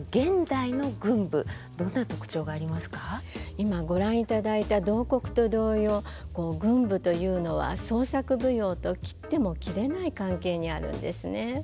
今ご覧いただいた「慟哭」と同様群舞というのは創作舞踊と切っても切れない関係にあるんですね。